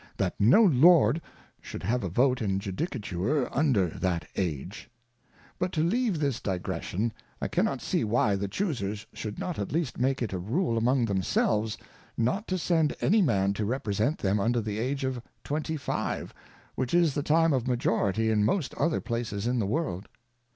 That no Lord should have a Vote in Judicature under that Age. But to leave this Digression ; I cannot see why the Chusers should not at least make it a Rule among themselves. Not to send any Man to Represent them under the Age of Twenty five, which is the time of Majority in most other places of the world.